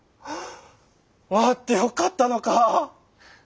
割ってよかったのかぁ。